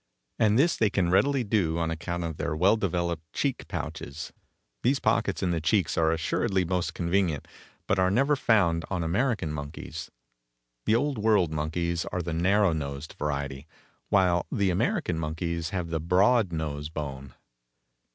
And this they can readily do on account of their well developed cheek pouches. These pockets in the cheeks are assuredly most convenient, but are never found on American monkeys. The Old World monkeys are the narrow nosed variety, while the American monkeys have the broad nose bone.